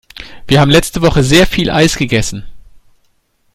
Wir haben letzte Woche sehr viel Eis gegessen.